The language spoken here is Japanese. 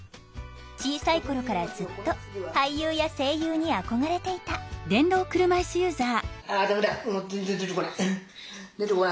小さい頃からずっと俳優や声優に憧れていたあ駄目だ。